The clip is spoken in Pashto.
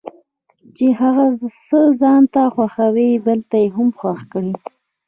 چې هغه څه ځانته خوښوي بل ته یې هم خوښ کړي.